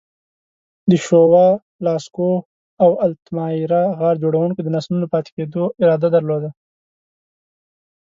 د شووه، لاسکو او التامیرا غار جوړونکو د نسلونو پاتې کېدو اراده درلوده.